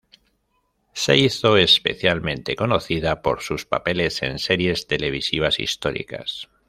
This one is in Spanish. Se hizo especialmente conocido por sus papeles en series televisivas históricas.